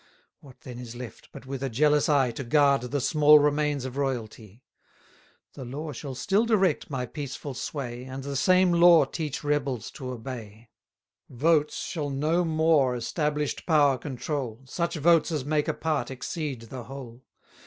What then is left, but with a jealous eye To guard the small remains of royalty? 990 The law shall still direct my peaceful sway, And the same law teach rebels to obey: Votes shall no more establish'd power control, Such votes as make a part exceed the whole.